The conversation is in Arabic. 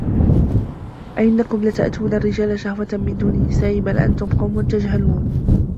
أَئِنَّكُم لَتَأتونَ الرِّجالَ شَهوَةً مِن دونِ النِّساءِ بَل أَنتُم قَومٌ تَجهَلونَ